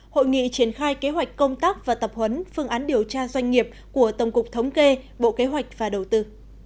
hội nghị triển khai kế hoạch công tác và tập huấn phương án điều tra doanh nghiệp của tổng cục thống kê bộ kế hoạch và đầu tư